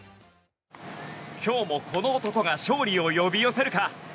今日もこの男が勝利を呼び寄せるか。